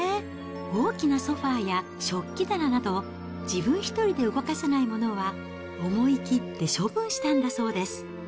大きなソファーや食器棚など、自分１人で動かせないものは、思い切って処分したんだそうです。